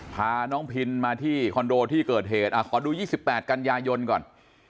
พาน้องพินมาที่คอนโดที่เกิดเหตุขอดู๒๘กันยายนก่อน